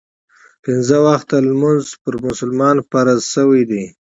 پنځه وخته لمونځ پر مسلمانانو فرض شوی دی.